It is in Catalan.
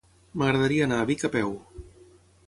M'agradaria anar a Vic a peu.